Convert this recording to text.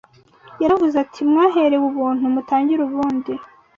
Yaravuze ati: Mwaherewe ubuntu, mutangire ubundi